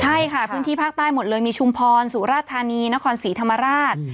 ใช่ค่ะพื้นที่ภาคใต้หมดเลยมีชุมพรสุราธานีนครศรีธรรมราช